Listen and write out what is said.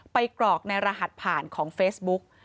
กรอกในรหัสผ่านของเฟซบุ๊ก